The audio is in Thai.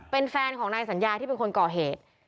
เป็นแฟนของนายสัญญาที่เป็นคนก่อเหตุ